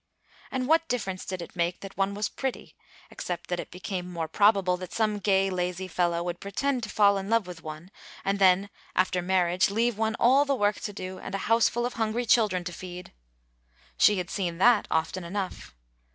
And what difference did it make that one was pretty, except that it became more probable that some gay, lazy fellow would pretend to fall in love with one, and then after marriage leave one all the work to do and a houseful of hungry children to feed? She had seen that often enough.